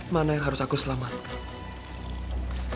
mana yang harus aku selamatkan